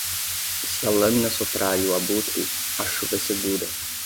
Se a lâmina soprar e o abutre, a chuva é segura.